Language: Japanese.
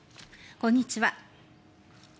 こんにちは。